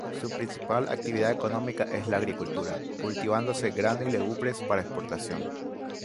Su principal actividad económica es la agricultura, cultivándose grano y legumbres para exportación.